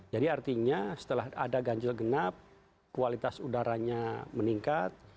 artinya setelah ada ganjil genap kualitas udaranya meningkat